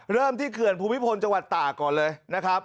ที่เขื่อนภูมิพลจังหวัดตากก่อนเลยนะครับ